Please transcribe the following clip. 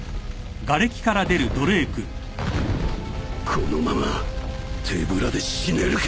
このまま手ぶらで死ねるか！